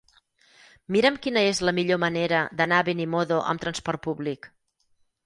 Mira'm quina és la millor manera d'anar a Benimodo amb transport públic.